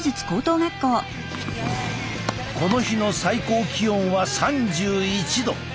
この日の最高気温は３１度。